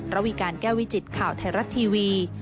ระวีการแก้ววิจิตข่าวไทยรัฐทีวี